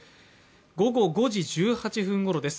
午後５時１８分ごろです。